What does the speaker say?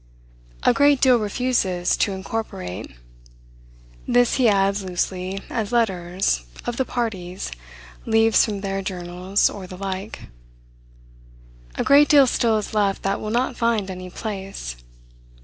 A great deal refuses to incorporate: this he adds loosely, as letters, of the parties, leaves from their journals, or the like. A great deal still is left that will not find any place.